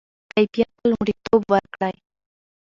کیفیت ته لومړیتوب ورکړئ.